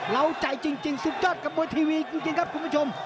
เราใจจริงสุดยอดกับมวยทีวีจริงครับคุณผู้ชม